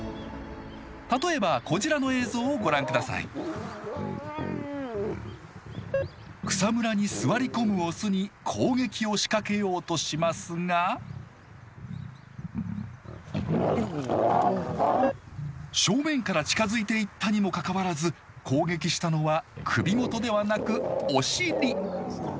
例えばこちらの映像をご覧下さい草むらに座り込むオスに攻撃を仕掛けようとしますが正面から近づいていったにもかかわらず攻撃したのは首元ではなくお尻。